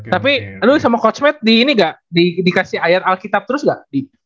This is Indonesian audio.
tapi lu sama coach matt di ini gak dikasih ayat alkitab terus gak